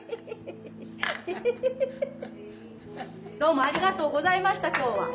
どうもありがとうございました今日は。